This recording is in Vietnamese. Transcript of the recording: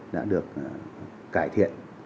đã được cải thiện